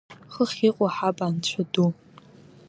Хыхь иҟоу ҳаб Анцәа ду!